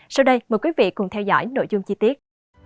sau đây mời quý vị cùng theo dõi nội dung chi tiết